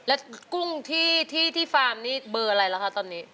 แล้วกุ้งที่ฟาร์มนี่เบอร์อะไรล่ะคะตอนนี้